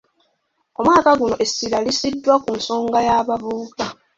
Omwaka guno essira lissiddwa ku nsonga y’abavubuka.